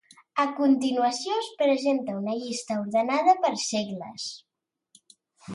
A continuació es presenta una llista ordenada per segles.